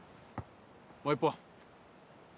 もう１本。